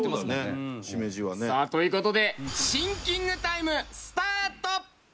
さあという事でシンキングタイムスタート！